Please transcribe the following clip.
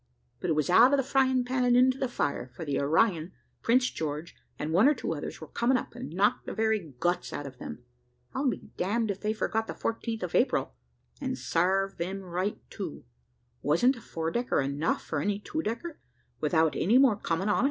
But it was out of the frying pan into the fire: for the Orion, Prince George, and one or two others, were coming up, and knocked the very guts out of them. I'll be damned if they forgot the 14th of April, and sarve them right, too. Wasn't a four decker enough for any two decker, without any more coming on us?